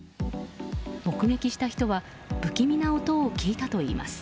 目撃した人は不気味な音を聞いたといいます。